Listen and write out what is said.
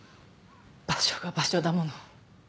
場所が場所だもの。